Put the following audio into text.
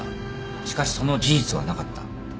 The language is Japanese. しかしその事実はなかった。